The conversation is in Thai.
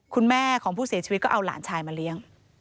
คุณแม่ของผู้เสียชีวิตก็เอาหลานชายมาเลี้ยง